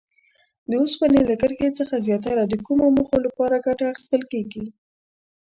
د اوسپنې له کرښې څخه زیاتره د کومو موخو لپاره ګټه اخیستل کیږي؟